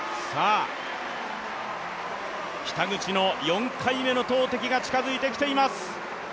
北口の４回目の投てきが近づいてきています。